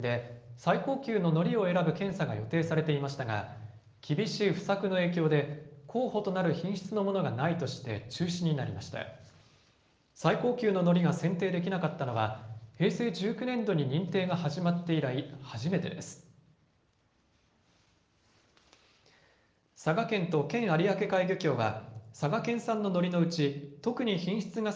最高級ののりが選定できなかったのは平成１９年度に認定が始まって以来、初めてです。